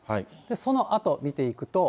そのあと見ていくと。